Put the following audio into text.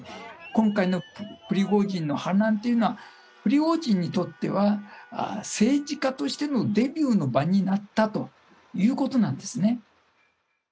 今回のプリゴジンの反乱というのは、プリゴジンにとっては政治家としてのデビューの場になったということなんですね。